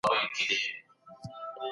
خپل ځان له ناپاکۍ څخه وساتئ.